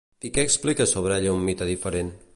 I què explica sobre ella un mite diferent?